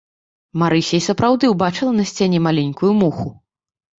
Марыся і сапраўды ўбачыла на сцяне маленькую муху.